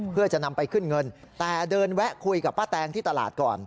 เพื่อจะนำไปขึ้นเงินแต่เดินแวะคุยกับป้าแตงที่ตลาดก่อน